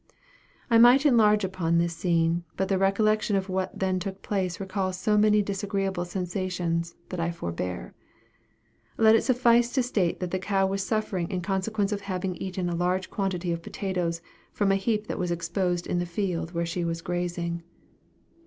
I might enlarge upon this scene, but the recollection of what then took place recalls so many disagreeable sensations, that I forbear. Let it suffice to state that the cow was suffering in consequence of having eaten a large quantity of potatoes from a heap that was exposed in the field where she was grazing.